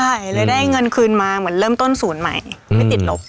ใช่เลยได้เงินคืนมาเหมือนเริ่มต้นศูนย์ใหม่ไม่ติดลบ